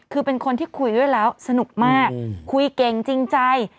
คือเป็นคนที่คุยด้วยแล้วสนุกมากคุยเก่งจริงใจ